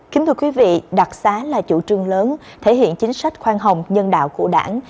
kính thưa quý vị đặc xá là chủ trương lớn thể hiện chính sách khoan hồng nhân đạo của đảng